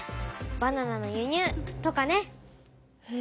バナナの輸入とかね！へ！